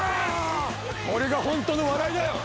これがホントの笑いだよ。